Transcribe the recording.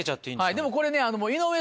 でもこれね。